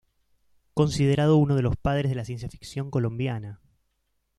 Considerado uno de los padres de la ciencia ficción colombiana.